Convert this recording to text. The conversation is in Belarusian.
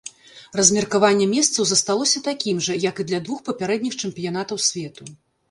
Размеркаванне месцаў засталося такім жа, як і для двух папярэдніх чэмпіянатаў свету.